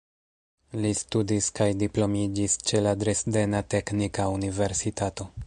Li studis kaj diplomiĝis ĉe la Dresdena Teknika Universitato.